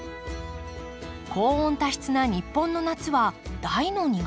高温多湿な日本の夏は大の苦手。